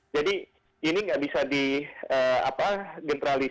jadi ini tidak bisa digeneralisir bahwa australia mencari gara gara